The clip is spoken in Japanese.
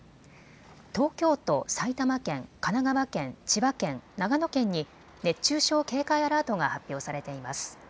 東京都、埼玉県、神奈川県、千葉県、長野県に熱中症警戒アラートが発表されています。